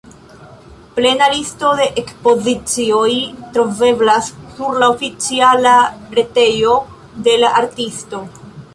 Plena listo de ekspozicioj troveblas sur la oficiala retejo de la artisto.